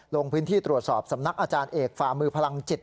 ลงพื้นที่ตรวจสอบสำนักอาจารย์เอกฝ่ามือพลังจิต